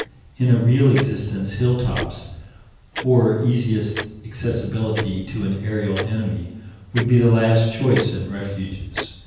In a real existence, hilltops, or easiest accessibility to an aerial enemy, would be the last choice in refuges.